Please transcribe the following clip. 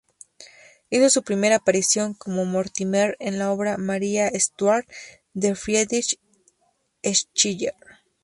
Hizo su primera aparición como Mortimer en la obra "Maria Stuart" de Friedrich Schiller.